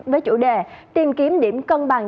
với chủ đề tìm kiếm điểm cân bằng